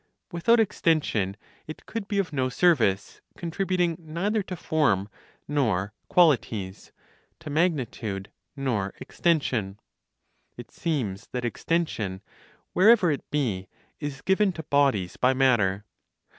Without extension, it could be of no service, contributing neither to form nor qualities, to magnitude nor extension. It seems that extension, wherever it be, is given to bodies by matter.